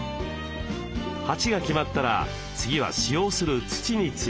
鉢が決まったら次は使用する土について。